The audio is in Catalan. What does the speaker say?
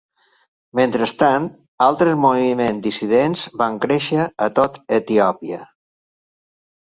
Mentrestant, altres moviments dissidents van créixer a tot Etiòpia.